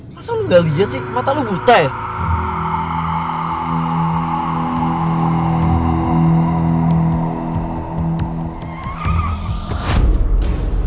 masa lo gak liat sih mata lo buta ya